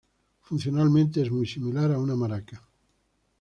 Funcionalmente es muy similar a un maraca.